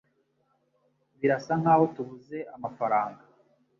Birasa nkaho tubuze amafaranga.